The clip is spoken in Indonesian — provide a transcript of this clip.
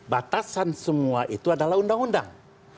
batasan semua itu adalah undang undang